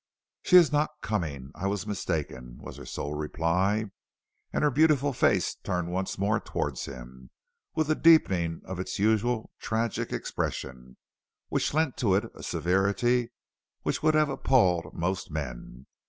"She is not coming; I was mistaken," was her sole reply, and her beautiful face turned once more towards him, with a deepening of its usual tragic expression which lent to it a severity which would have appalled most men.